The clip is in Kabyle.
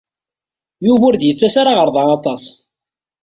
Yuba ur d-yettas ara ɣer da aṭas.